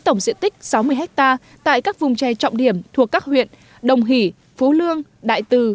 tổng diện tích sáu mươi hectare tại các vùng chè trọng điểm thuộc các huyện đồng hỷ phú lương đại từ